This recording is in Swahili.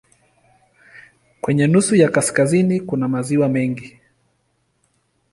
Kwenye nusu ya kaskazini kuna maziwa mengi.